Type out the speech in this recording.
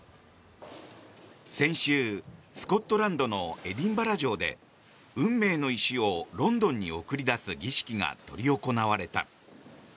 先週、スコットランドのエディンバラ城で運命の石をロンドンに送り出す儀式が執り行われた。